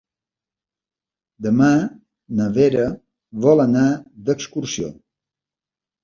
Demà na Vera vol anar d'excursió.